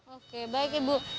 oke baik ibu